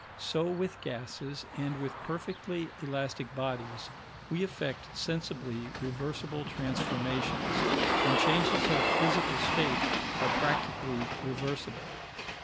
So with gases and with perfectly elastic bodies, we effect sensibly reversible transformations, and changes of physical state are practically reversible.